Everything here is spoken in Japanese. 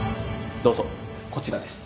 どうぞこちらです。